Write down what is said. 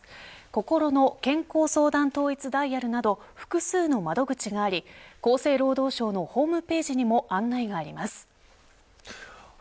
心の健康相談統一ダイヤルなど複数の窓口があり厚生労働省のホームページにも案内があります。